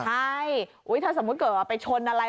ใช่ถ้าสมมุติเกิดว่าไปชนอะไร